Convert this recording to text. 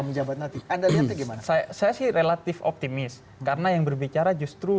menjabat nanti anda lihatnya gimana saya sih relatif optimis karena yang berbicara justru